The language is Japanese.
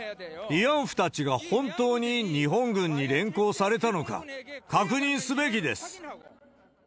慰安婦たちが本当に日本軍に連行されたのか、確認すべきです。